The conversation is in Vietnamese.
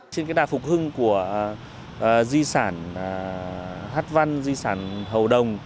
trên cái đà phục hưng của di sản hát văn di sản hầu đồng